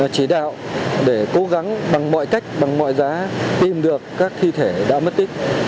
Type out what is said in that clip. chỉ đạo để cố gắng bằng mọi cách bằng mọi giá tìm được các thi thể đã mất tích